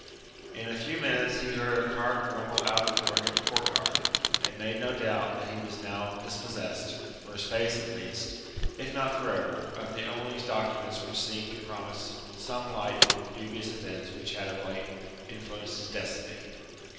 In a few minutes he heard a cart rumble out of the rugged court yard, and made no doubt that he was now dispossessed, for a space at least, if not for ever, of the only documents which seemed to promise some light upon the dubious events which had of late influenced his destiny.